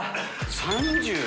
３０？